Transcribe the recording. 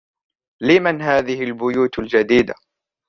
لمن هذه البيوت الجديدة؟